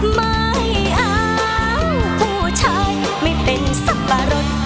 ไม่เอาผู้ชายไม่เป็นสับปะรด